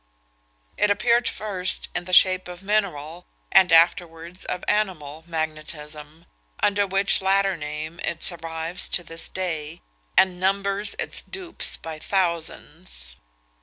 It appeared first in the shape of mineral, and afterwards of animal, magnetism, under which latter name it survives to this day, and numbers its dupes by thousands.